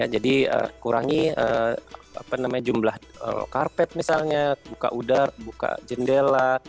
jadi kurangi jumlah karpet misalnya buka udara buka jendela